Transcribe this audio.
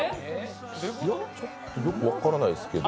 ちょっとよく分からないですけど。